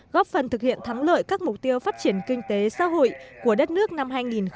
góp phần thực hiện thắng lợi các mục tiêu phát triển kinh tế xã hội của đất nước năm hai nghìn hai mươi